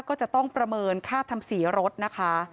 ก็จะต้องประเมินค่าทำสีรถนะคะ